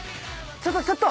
ちょっとちょっと！